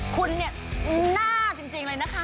คุณเนี่ยน่าจริงเลยนะคะ